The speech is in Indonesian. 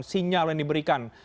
sinyal yang diberikan